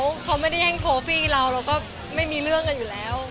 เขาไม่ได้แย่งโคฟี่เราเราก็ไม่มีเรื่องกันอยู่แล้ว